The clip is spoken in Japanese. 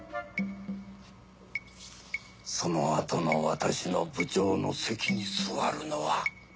そのあとの私の部長の席に座るのは。